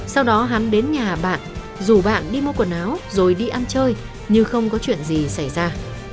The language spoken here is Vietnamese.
sau đó hắn đến nhà bạn rủ bạn đi mua quần áo rồi đi ăn chơi nhưng không có chuyện gì xảy ra